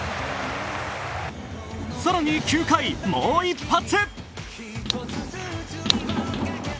更に９回、もう一発。